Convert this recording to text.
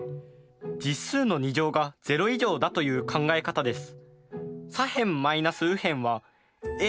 実数の２乗が０以上だという考え方です。